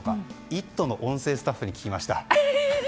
「イット！」の音声スタッフに聞きました。